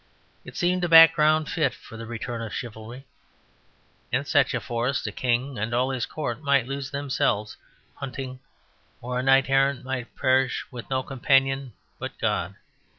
It seemed a background fit for the return of chivalry. In such a forest a king and all his court might lose themselves hunting or a knight errant might perish with no companion but God.